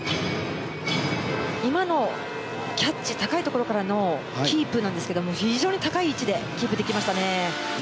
今のタッチ高いところからのキープですが、非常に高い位置でキープできましたね。